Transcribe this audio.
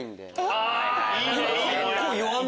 結構弱め。